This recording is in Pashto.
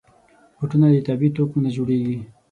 بوټونه د طبعي توکو نه جوړېږي.